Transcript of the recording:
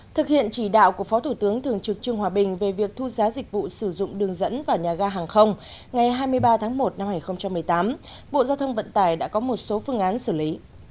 thực hiện chỉ đạo của phó thủ tướng thường trực trương hòa bình về việc thu giá dịch vụ sử dụng đường dẫn vào nhà ga hàng không ngày hai mươi ba tháng một năm hai nghìn một mươi tám bộ giao thông vận tải đã có một số phương án xử lý